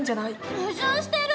矛盾してる。